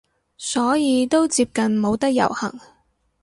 所以都接近冇得遊行